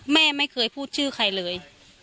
แม่ไม่เคยพูดชื่อใครเลย